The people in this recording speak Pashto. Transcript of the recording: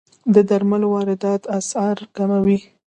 د درملو واردات اسعار کموي.